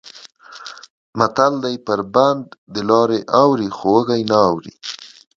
متل دی: بر بنډ دلارې اوړي خو وږی نه اوړي.